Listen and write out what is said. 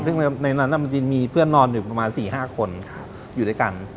ซึ่งในนั้นมันจะมีเพื่อนนอนอยู่ประมาณ๔๕คนอยู่ด้วยกัน